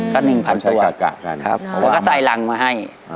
ก็๑๐๐๐ตัวเขาก็ใส่หลังมาให้